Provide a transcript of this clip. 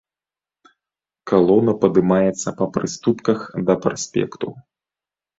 Калона падымаецца па прыступках да праспекту.